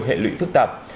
nhiều hệ lụy phức tạp